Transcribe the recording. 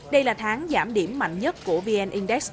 đây là tháng giảm điểm mạnh nhất của vn index